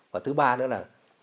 và thứ ba nữa là